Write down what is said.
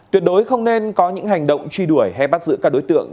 tuyệt đối không nên có những hành động truy đuổi hay bắt giữ các đối tượng